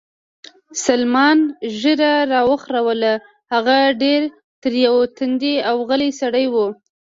سلمان ږیره را وخروله، هغه ډېر تریو تندی او غلی سړی و.